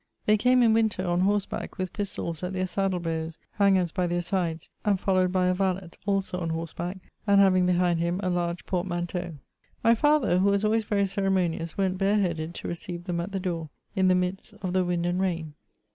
They came in winter, on horse back, with pistols at their saddle bows, hangers by their sides, and followed by a valet, also on horseback, and having behind him a large portmanteau. My father, who was always very ceremonious, went bare headed to receive them at the door, in the midst of the wind and rain.